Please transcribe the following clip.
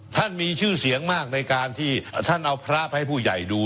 ท่านมีชื่อเสียงมากในการที่ท่านเอาพระไปให้ผู้ใหญ่ดู